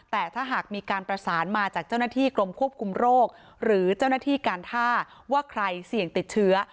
แต่ถ้าหากมีการประสานมาจากเจ้าหน้าที่กรมควบคุมโรคหรือเจ้าหน้าที่การท่าว่าใครเสี่ยงติดเชื้อ